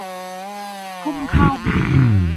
พุ่มข้าวบิณฑ์